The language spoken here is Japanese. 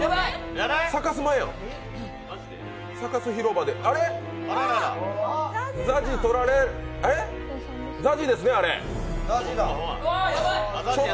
サカス前やん、サカス広場でＺＡＺＹですね、あれ。